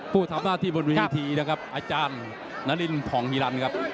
ผู้ทำหน้าที่บนวิธีนะครับอาจารย์นารินผ่องฮีรันดิ์ครับ